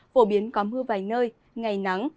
phổ biến có mưa vài nơi ngày nắng